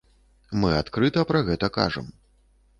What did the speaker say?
Мы адкрыта пра гэта кажам.